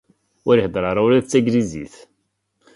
Ur ihedder ara ula d taneglizit.